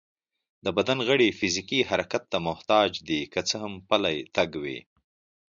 د بدن غړي فزيکي حرکت ته محتاج دي، که څه هم پلی تګ وي